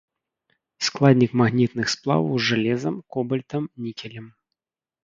Складнік магнітных сплаваў з жалезам, кобальтам, нікелем.